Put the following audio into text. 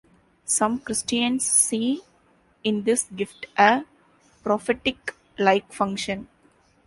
Some Christians see in this gift a prophetic-like function.